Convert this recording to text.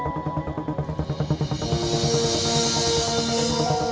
dan kamu harus memperbaiki itu dulu